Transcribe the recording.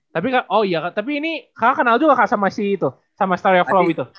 tapi kak oh iya kak tapi ini kakak kenal juga kak sama si itu sama stereo flow itu